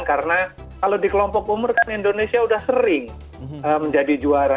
karena kalau di kelompok umur kan indonesia sudah sering menjadi juara